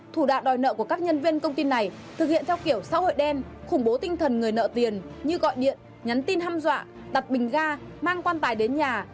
thủ đoạn đòi nợ của các nhân viên công ty này thực hiện theo kiểu xã hội đen khủng bố tinh thần người nợ tiền như gọi điện nhắn tin ham dọa đặt bình ga mang quan tài đến nhà